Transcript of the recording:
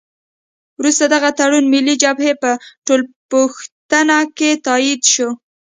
وروسته دغه تړون ملي جبهه په ټولپوښتنه کې تایید شو.